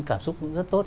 cảm xúc cũng rất tốt